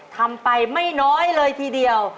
ทำไปไม่น้อยเลยทีเดียว